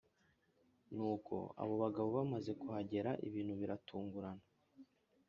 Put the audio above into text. Nuko abo bagabo bamaze kuhagera, ibintu biratungana.